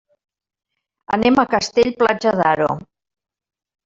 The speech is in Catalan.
Anem a Castell-Platja d'Aro.